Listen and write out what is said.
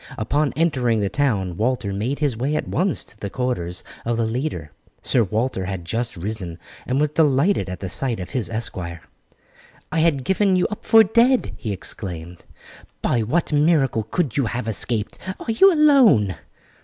Upon entering the town Walter made his way at once to the quarters of the leader. Sir Walter had just risen, and was delighted at the sight of his esquire. "I had given you up for dead," he exclaimed. "By what miracle could you have escaped? Are you alone?"